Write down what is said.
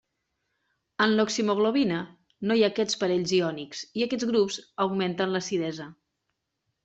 En l'oxihemoglobina, no hi ha aquests parells iònics i aquests grups augmenten l'acidesa.